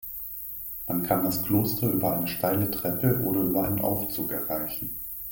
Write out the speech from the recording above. Man kann das Kloster über eine steile Treppe oder über einen Aufzug erreichen.